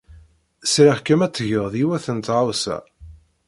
Sriɣ-kem ad tged yiwet n tɣawsa.